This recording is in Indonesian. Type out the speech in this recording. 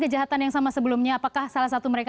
kejahatan yang sama sebelumnya apakah salah satu mereka